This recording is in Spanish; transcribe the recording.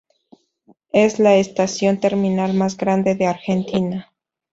Es la estación terminal más grande de Argentina.